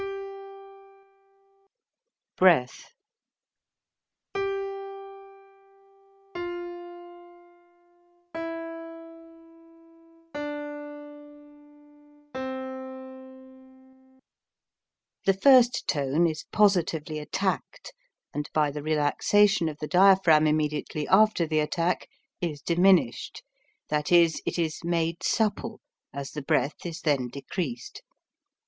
The first tone is positively attacked and by the relaxation of the diaphragm immediately after the attack, is diminshed, that is, it is made supple, as the breath is then decreased.